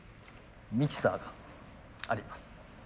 ミキサーがあります。